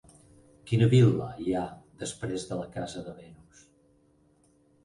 Quina vil·la hi ha després de la Casa de Venus?